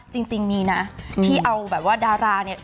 จริงมีนะที่เอาแบบว่าดาราเนี่ย